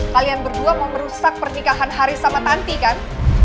kalian berdua mau merusak pernikahan hari sama tanti kan